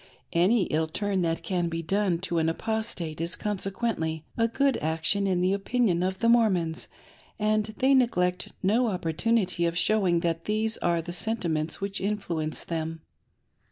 Any ill turn that can be done to an Apostate is consequently a good action in the opinion of the Mormons, and they neglect no opportunity of showing that these afe the sentiments which influence them.